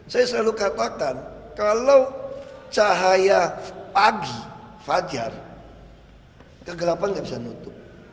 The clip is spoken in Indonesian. saya selalu katakan kalau cahaya pagi fajar kegelapan gak bisa nutup